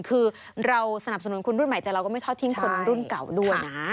คือเราสนับสนุนคนรุ่นใหม่แต่เราก็ไม่ทอดทิ้งคนรุ่นเก่าด้วยนะ